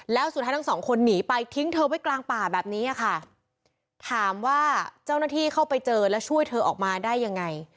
แล้วสุดท้ายทั้งสองคนหนีไปทิ้งเธอไว้กลางป่าแบบนี้ค่ะถามว่าเจ้าหน้าที่เข้าไปเจอแล้วช่วยเธอออกมาได้ยังไง